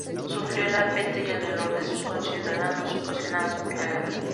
Sufrió la peste y el dolor de sus conciudadanos ocasionados por la guerra.